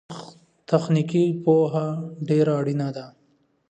تخنيکي پوهه ډېره اړينه ده.